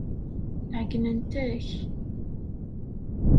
Ɛeyynent-ak.